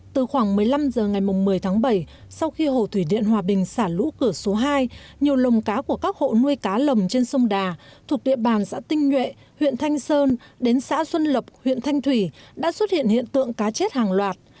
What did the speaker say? từ khoảng một mươi năm h ngày một mươi tháng bảy sau khi hồ thủy điện hòa bình xả lũ cửa số hai nhiều lồng cá của các hộ nuôi cá lồng trên sông đà thuộc địa bàn xã tinh nhuệ huyện thanh sơn đến xã xuân lập huyện thanh thủy đã xuất hiện hiện tượng cá chết hàng loạt